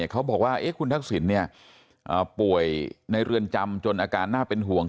เขาบอกว่าคุณทักษิณป่วยในเรือนจำจนอาการน่าเป็นห่วง